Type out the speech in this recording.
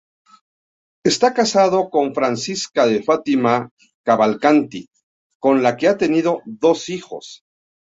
Está casado con Francisca de Fatima Cavalcanti, con la que ha tenido dos hijos.